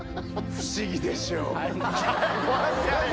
不思議でしょう。